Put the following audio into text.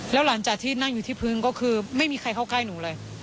แล้วหลังจากที่นั่งอยู่ที่พื้นก็คือไม่มีใครเข้าใกล้หนูเลย